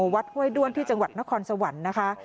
ห้วยด้วนที่จังหวัดนครสวรรค์นะคะ